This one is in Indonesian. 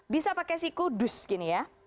bisa pakai siku dus gini ya